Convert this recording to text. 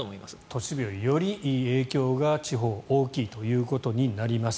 都市部よりより影響が地方は大きいということになります。